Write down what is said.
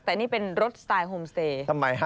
แต่นี่เป็นรถสไตล์โฮมสเตย์